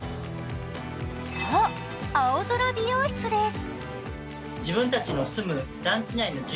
そう、青空美容室です。